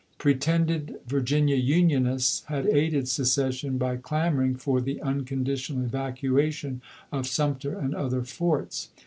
Pretended Virginia Unionists had aided secession by clamoring for the unconditional evac uation of Sumter and other forts.